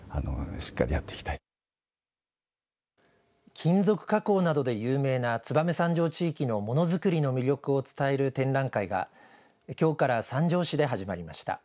金属加工で有名な燕三条地域のものづくりの魅力を伝える展覧会がきょうから三条市で始まりました。